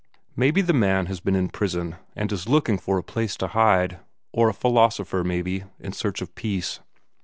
Maybe the man has been in prison, and is looking for a place to hide; or a philosopher, maybe, in search of peace.